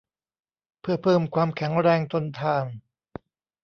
เพื่อเพิ่มความแข็งแรงทนทาน